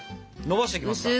のばしていきますか。